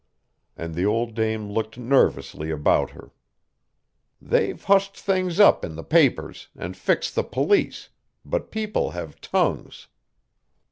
And the old dame looked nervously about her. "They've hushed things up in the papers, and fixed the police, but people have tongues."